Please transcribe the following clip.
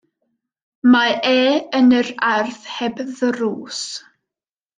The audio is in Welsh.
Mae e yn yr ardd heb ddrws.